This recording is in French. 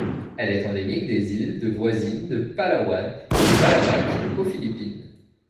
Il est endémique des îles de voisines de Palawan et Balabac aux Philippines.